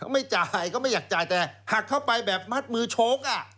ไม่จ่ายก็ไม่อยากจ่ายแต่หักเข้าไปแบบมัดมือโชคอ่ะ